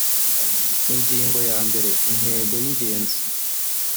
ingingo ya mbere intego y ingenzi